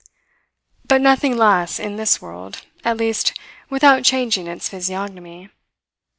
But nothing lasts in this world, at least without changing its physiognomy.